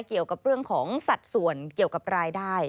เกี่ยวกับเรื่องของสัดส่วนเกี่ยวกับรายได้